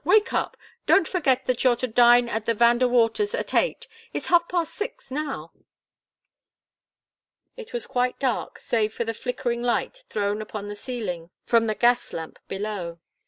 Wake up! Don't forget that you're to dine at the Van De Waters' at eight! It's half past six now!" It was quite dark, save for the flickering light thrown upon the ceiling from the gas lamp below.